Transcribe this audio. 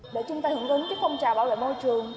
để chúng ta hưởng ứng phong trào bảo vệ môi trường